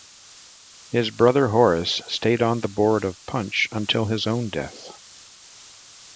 His brother Horace stayed on the board of Punch until his own death.